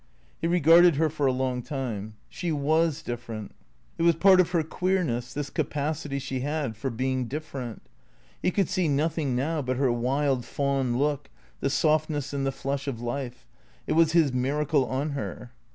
He regarded her for a long time. She was different. It was part of her queerness, this capacity she had for being different. He could see nothing now but her wild fawn look, the softness and the flush of life. It was his miracle on her.